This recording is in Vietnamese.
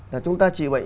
là chúng ta chị bạch